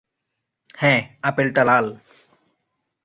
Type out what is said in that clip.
হ্যাঁ, আপেলটা লাল।